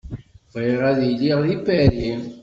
Bɣiɣ ad iliɣ deg Paris.